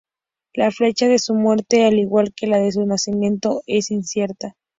La fecha de su muerte, al igual que la de su nacimiento, es incierta.